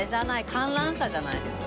観覧車じゃないですか？